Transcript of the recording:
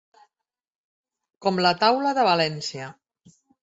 Com la Taula de València.